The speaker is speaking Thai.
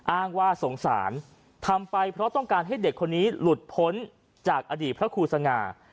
อ้างว่าสงสารทำไปเพราะต้องการให้เด็กคนนี้หลุดพ้นจากอดีตพระครูสง่า